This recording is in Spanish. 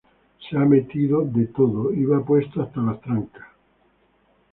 Se ha metido de todo y va puesto hasta las trancas